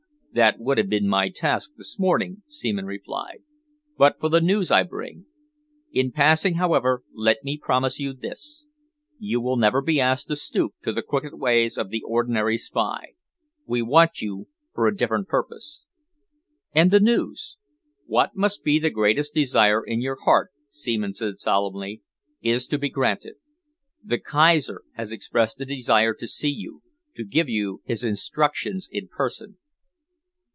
"That would have been my task this morning," Seaman replied, "but for the news I bring. In passing, however, let me promise you this. You will never be asked to stoop to the crooked ways of the ordinary spy. We want you for a different purpose." "And the news?" "What must be the greatest desire in your heart," Seaman said solemnly, "is to be granted. The Kaiser has expressed a desire to see you, to give you his instructions in person."